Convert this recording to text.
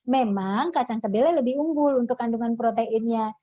memang kacang kedelai lebih unggul untuk kandungan proteinnya